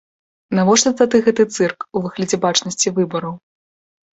Навошта тады гэты цырк у выглядзе бачнасці выбараў?